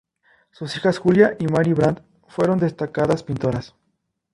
Sus hijas, Julia y Mary Brandt fueron destacadas pintoras.